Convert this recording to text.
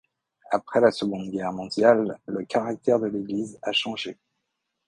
Après la Seconde Guerre mondiale, le caractère de l'église a changé.